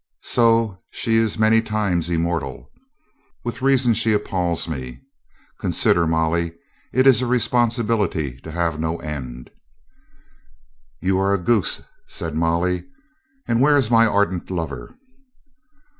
So she is many times immor tal. With reason she appals me. Consider, Molly, It is a responsibility to have no end." "You are a goose," said Molly. "And where is my ardent lover?"